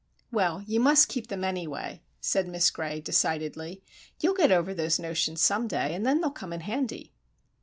"Well, you must keep them, anyway," said Miss Gray, decidedly. "You'll get over those notions some day, and then they'll come in handy."